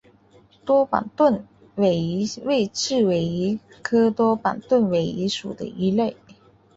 多板盾尾鱼为刺尾鱼科多板盾尾鱼属的鱼类。